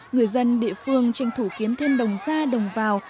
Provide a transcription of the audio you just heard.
người dân địa phương tranh thủ kiếm thêm đồng da đồng vào